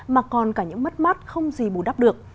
mà còn cả những mất mát không gì bù đắp được